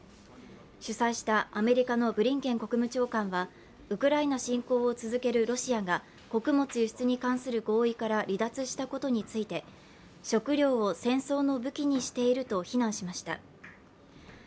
主催したアメリカのブリンケン国務長官はウクライナ侵攻を続けるロシアが穀物輸出に関する合意から離脱したことについて、食料を戦争の武器にしていると非難しました。